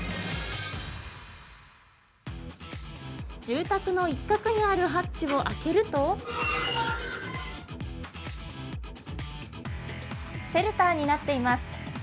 住宅の一角にあるハッチを開けるとシェルターになっています。